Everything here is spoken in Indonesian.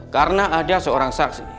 karena ada seorang saksi